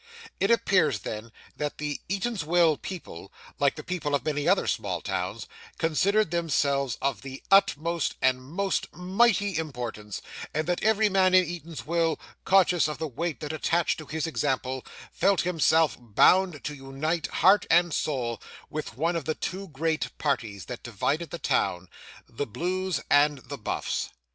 It appears, then, that the Eatanswill people, like the people of many other small towns, considered themselves of the utmost and most mighty importance, and that every man in Eatanswill, conscious of the weight that attached to his example, felt himself bound to unite, heart and soul, with one of the two great parties that divided the town the Blues and the Buffs.